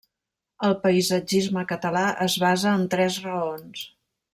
El paisatgisme català es basa en tres raons.